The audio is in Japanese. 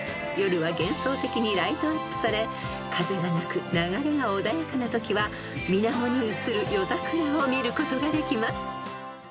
［夜は幻想的にライトアップされ風がなく流れが穏やかなときは水面に映る夜桜を見ることができます］